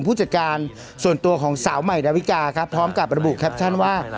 ผู้จัดการส่วนตัวของสาวใหม่ดาวิกาครับพร้อมกับระบุแคปชั่นว่า